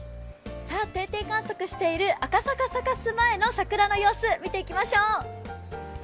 定点観測している赤坂サカス前の桜の様子見ていきましょう。